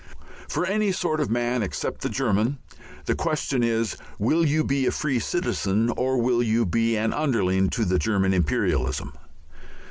For any sort of man except the German the question is, Will you be a free citizen or will you be an underling to the German imperialism?